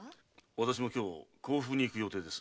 私も今日甲府に行く予定です。